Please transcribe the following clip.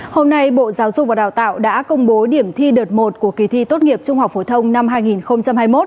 hôm nay bộ giáo dục và đào tạo đã công bố điểm thi đợt một của kỳ thi tốt nghiệp trung học phổ thông năm hai nghìn hai mươi một